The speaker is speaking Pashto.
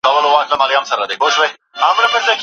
علي رض په جګړو کې د زمري په څېر زړورتیا ښودله.